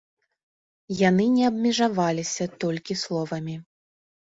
Яны не абмежаваліся толькі словамі.